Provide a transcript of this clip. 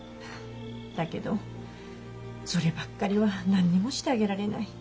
だけどそればっかりは何にもしてあげられない。